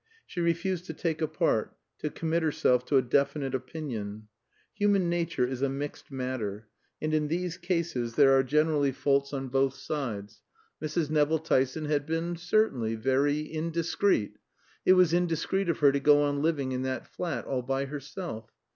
She refused to take a part, to commit herself to a definite opinion. Human nature is a mixed matter, and in these cases there are generally faults on both sides. Mrs. Nevill Tyson had been certainly very indiscreet. It was indiscreet of her to go on living in that flat all by herself.